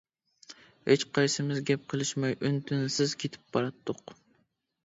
ھېچقايسىمىز گەپ قىلىشماي ئۈن-تىنسىز كېتىپ باراتتۇق.